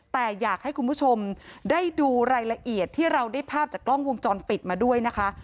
แต่อยากให้คุณผู้ชมได้ดูรายละเอียดที่เราได้ภาพจากกล้องวงจรปิดมาด้วยนะคะ